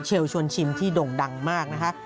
ชวนชิมที่ด่งดังมากนะคะ